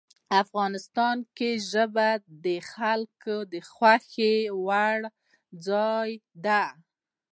افغانستان کې ژبې د خلکو د خوښې وړ ځای دی.